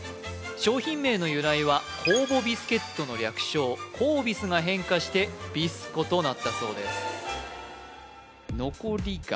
商品名の由来は酵母ビスケットの略称コービスが変化してビスコとなったそうです